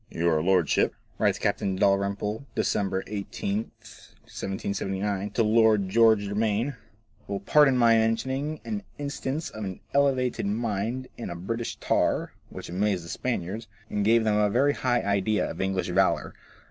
"Your lordship," writes Captain Dalrymple, December 18, 1779, to Lord George Germaine, " will pardon my mentioning an instance of an elevated mind in a British tar, which amazed the Spaniards, and gave them a very high idea of English valour.